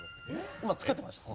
今つけてました？